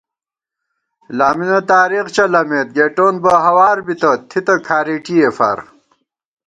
لامِنہ تارېخ چَلَمېت گېٹون بہ ہوار بِتہ تھِتہ کھارېٹِئےفار